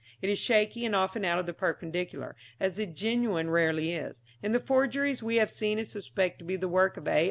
It is shaky and often out of the perpendicular, as the genuine rarely is. In the forgeries we have seen and suspect to be the work of A.